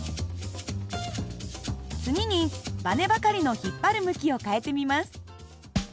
次にばねばかりの引っ張る向きを変えてみます。